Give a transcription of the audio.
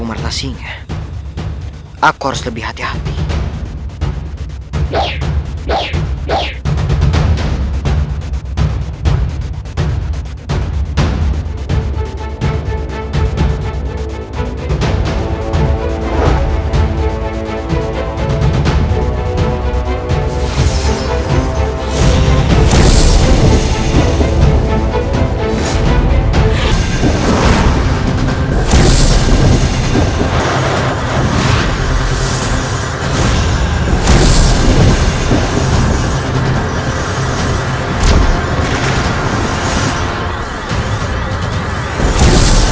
kali ini kau tidak akan selamat ya allah